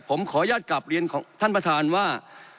ผมขออนุญาตกลับเรียนของท่านประธานว่า